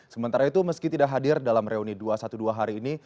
sementara itu meski tidak hadir dalam reuni dua ratus dua belas hari ini